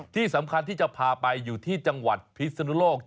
ที่สำคัญที่จะพาไปอยู่ที่จังหวัดพิศนุโลก